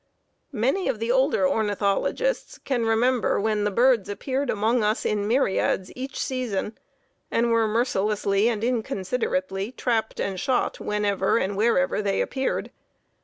Many of the older ornithologists can remember when the birds appeared among us in myriads each season, and were mercilessly and inconsiderately trapped and shot whenever and wherever they appeared.